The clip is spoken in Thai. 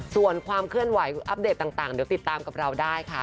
ส่วนความเคลื่อนไหวอัปเดตต่างเดี๋ยวติดตามกับเราได้ค่ะ